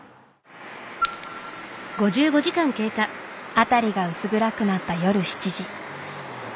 辺りが薄暗くなった夜７時。